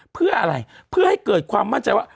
เพื่ออะไรเพื่อให้เกิดความมั่นใจว่า